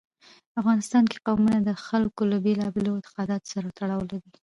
افغانستان کې قومونه د خلکو له بېلابېلو اعتقاداتو سره تړاو لري.